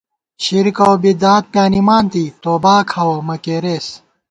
شِرک اؤبدعت پیانِمانتی توباکھاوَہ مہ کېرېس